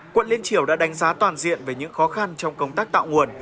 quận liên triều đã đánh giá toàn diện về những khó khăn trong công tác tạo nguồn